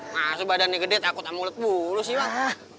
masih badannya gede takut sama ular bulu sih bang